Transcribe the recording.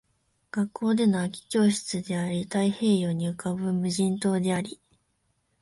学校での空き教室であり、太平洋に浮ぶ無人島であり